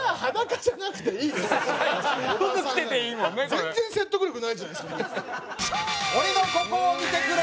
全然説得力ないじゃないですか。